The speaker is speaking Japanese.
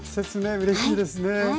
うれしいですね。